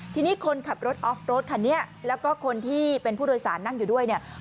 ทีนี้คนขับรถออฟรถคันนี้แล้วก็คนที่เป็นผู้โดยสารนั่งอยู่ด้วยเนี่ย